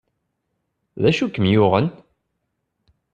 D acu i kem yuɣen?